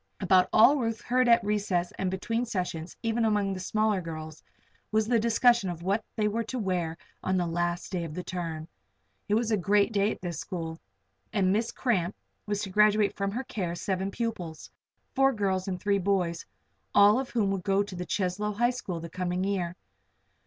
About all Ruth heard at recess and between sessions, even among the smaller girls, was the discussion of what they were to wear on the last day of the term. It was a great day at this school, and Miss Cramp was to graduate from her care seven pupils four girls and three boys all of whom would go to the Cheslow High the coming year.